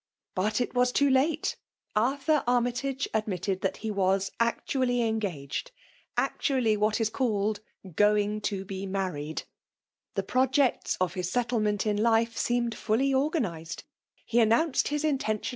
S^t it was too late ! Arthur Annytag^ ad mitted, that he was actuaUy engaged, — ^actUally what is caU^ *f going to be married*" The projects of his settlement in life seemed fuUy orgafiized. He announced his intention.